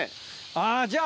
あじゃあ。